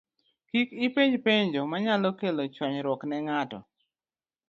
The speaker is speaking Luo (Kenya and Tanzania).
Kik ipenj penjo manyalo kelo chwanyruok ne ng'ato